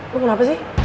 lu kenapa sih